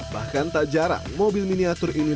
bahkan tak jarang mobil miniatur ini